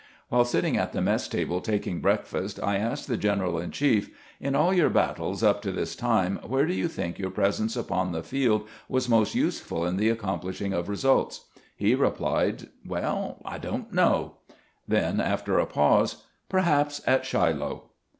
While sitting at the mess table taking breakfast, I asked the general in chief :" In aU your battles up to this time, where do you think your presence upon the field was most useful in the accomplishing of results 1 " He replied :" WeU, I don't know "; then, after a pause, " perhaps at Shiloh."